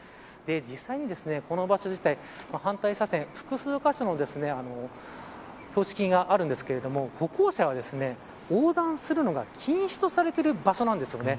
実際に、この場所自体反対車線、複数箇所の標識があるんですけども歩行者は、横断するのが禁止とされている場所なんですよね。